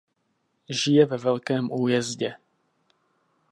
Žije ve Velkém Újezdě.